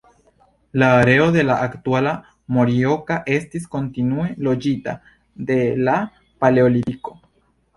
La areo de aktuala Morioka estis kontinue loĝita de la paleolitiko.